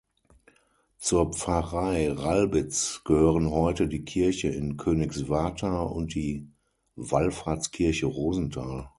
Zur Pfarrei Ralbitz gehören heute die Kirche in Königswartha und die Wallfahrtskirche Rosenthal.